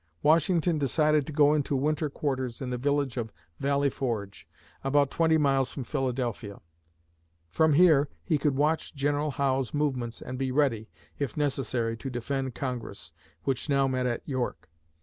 Washington decided to go into winter quarters in the village of Valley Forge, about twenty miles from Philadelphia. From here, he could watch General Howe's movements and be ready, if necessary, to defend Congress, which now met at York.